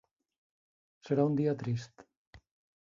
Serà un dia trist.